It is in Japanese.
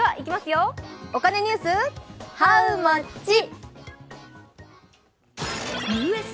お金ニュース、ハウマッチ！